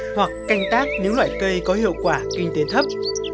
hoặc canh tác những loại cây có hiệu quả kinh tế thấp